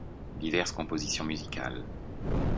Diverses compositions musicales.